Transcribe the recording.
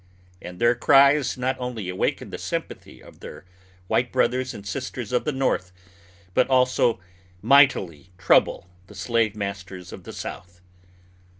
and their cries not only awaken the sympathy of their white brothers and sisters of the North, but also mightily trouble the slave masters of the South.